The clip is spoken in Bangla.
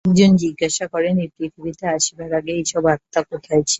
একজন জিজ্ঞাসা করেন, এই পৃথিবীতে আসিবার আগে এই সব আত্মা কোথায় ছিল।